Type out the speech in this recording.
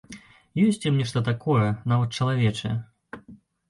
Ёсць у ім нешта такое, нават чалавечае.